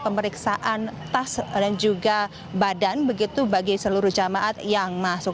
pemeriksaan tas dan juga badan begitu bagi seluruh jemaat yang masuk